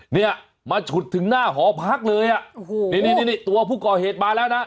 เนี่ยมาฉุดถึงหน้าหอพักเลยอ่ะโอ้โหนี่นี่ตัวผู้ก่อเหตุมาแล้วนะ